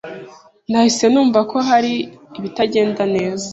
Nahise numva ko hari ibitagenda neza.